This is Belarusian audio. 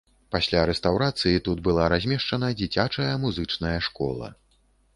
Пасля рэстаўрацыі тут была размешчана дзіцячая музычная школа.